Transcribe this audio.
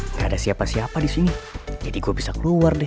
gak ada siapa siapa di sini jadi gue bisa keluar deh